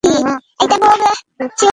Sir, আপনার ফেরত টাকাটা?